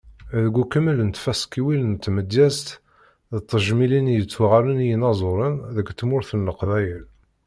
Deg ukemmel n tfaskiwin n tmedyazt d tejmilin i yettuɣalen i yinaẓuren deg tmurt n Leqbayel.